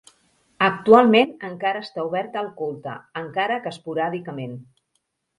Actualment encara està oberta al culte, encara que esporàdicament.